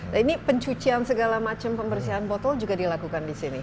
nah ini pencucian segala macam pembersihan botol juga dilakukan di sini